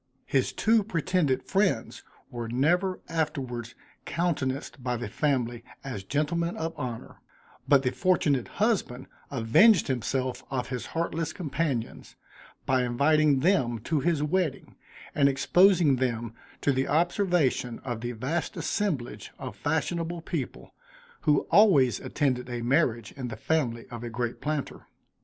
His two pretended friends were never afterwards countenanced by the family, as gentlemen of honor; but the fortunate husband avenged himself of his heartless companions, by inviting them to his wedding, and exposing them to the observation of the vast assemblage of fashionable people, who always attended a marriage, in the family of a great planter.